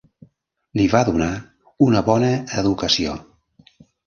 Li va donar una bona educació.